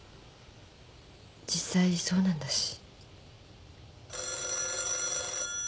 実際そうなんだし。